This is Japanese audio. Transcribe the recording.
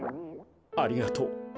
ありがとう。